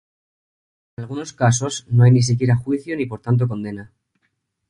En algunos casos no hay ni siquiera juicio ni por tanto condena.